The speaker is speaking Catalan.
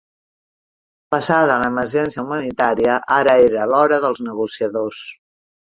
Passada l'emergència humanitària ara era l'hora dels negociadors.